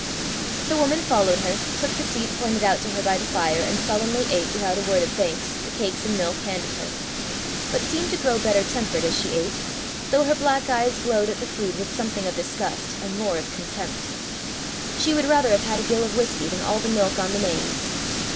The woman followed her, took the seat pointed out to her by the fire, and sullenly ate, without a word of thanks, the cakes and milk handed her, but seemed to grow better tempered as she ate, though her black eyes glowed at the food with something of disgust and more of contempt: she would rather have had a gill of whisky than all the milk on the Mains.